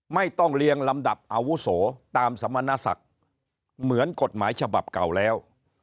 ไม่ต้องเรียงลำดับอาวุโสตามสมณศักดิ์เหมือนกฎหมายฉบับเก่าแล้ว